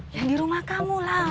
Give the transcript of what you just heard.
yang di rumah kamu lah